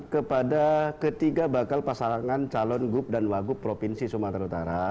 kepada ketiga bakal pasangan calon gub dan wagub provinsi sumatera utara